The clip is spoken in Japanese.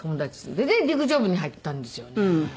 で陸上部に入ったんですよね。